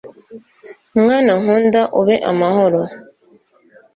mwana nkunda ube amahoro